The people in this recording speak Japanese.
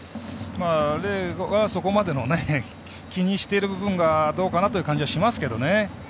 レイは、そこまで気にしている部分がどうかなという感じはしますけどね。